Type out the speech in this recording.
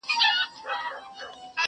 کله زموږ کله د بل سي کله ساد سي کله غل سي!